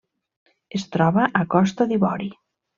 Es troba a Costa d'Ivori.